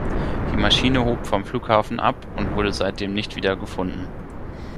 Die Maschine hob vom Flughafen ab und wurde seitdem nicht wieder gefunden.